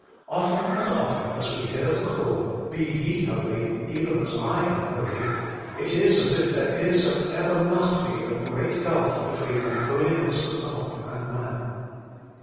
Often and often as we hear the call, Be ye holy, even as I am holy, it is as if there is and ever must be a great gulf between the holiness of God and man.